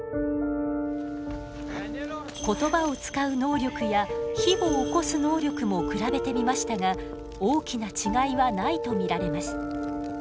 言葉を使う能力や火をおこす能力も比べてみましたが大きな違いはないと見られます。